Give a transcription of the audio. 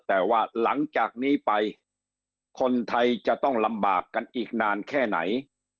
แต่ว่าหลังจากนี้ไปคนไทยจะต้องลำบากกันอีกนานแค่ไหน